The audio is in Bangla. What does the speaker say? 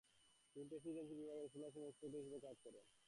তিনি প্রেসিডেন্সী বিভাগের স্কুলসমূহের ইনস্পেক্টর হিসেবেও কাজ করেন।